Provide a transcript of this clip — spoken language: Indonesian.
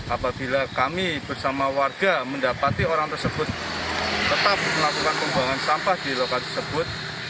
apabila kami bersama warga mendapati orang tersebut tetap melakukan pembuangan sampah di lokasi tersebut